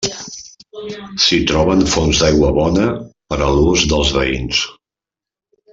S'hi troben fonts d'aigua bona per a l'ús dels veïns.